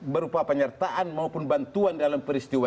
berupa penyertaan maupun bantuan dalam peristiwa